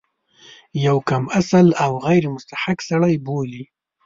یو کم اصل او غیر مستحق سړی بولي.